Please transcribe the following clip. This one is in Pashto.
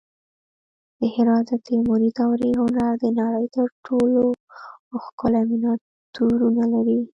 د هرات د تیموري دورې هنر د نړۍ تر ټولو ښکلي مینیاتورونه لري